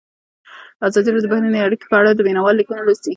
ازادي راډیو د بهرنۍ اړیکې په اړه د مینه والو لیکونه لوستي.